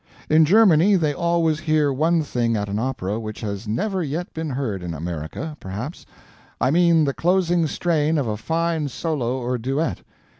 In Germany they always hear one thing at an opera which has never yet been heard in America, perhaps I mean the closing strain of a fine solo or duet.